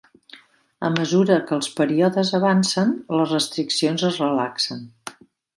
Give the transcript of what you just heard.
A mesura que els períodes avancen, les restriccions es relaxen.